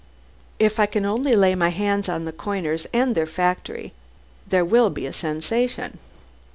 If I can only lay my hands on the coiners and their factory, there will be a sensation."